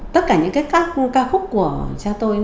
tất cả các ca khúc của cha tôi